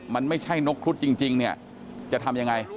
มันไม่ใช่นกครุฑจริงเนี่ยจะทำยังไง